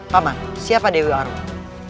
pak man siapa dewi arundalu